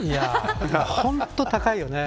本当に高いよね。